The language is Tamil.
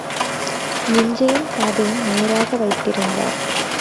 நெஞ்சையும் காதையும் நேராக வைத்திருந்தார்: